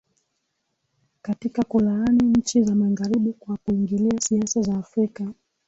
katika kulaani nchi za magharibi kwa kuingilia siasa za afrika